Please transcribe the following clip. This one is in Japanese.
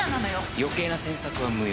余計な詮索は無用。